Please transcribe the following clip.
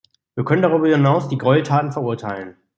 Wir können darüber hinaus die Gräueltaten verurteilen.